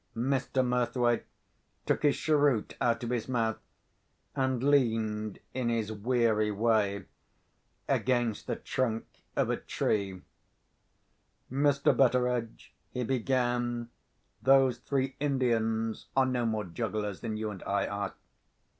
Mr. Murthwaite took his cheroot out of his mouth, and leaned, in his weary way, against the trunk of a tree. "Mr. Betteredge," he began, "those three Indians are no more jugglers than you and I are."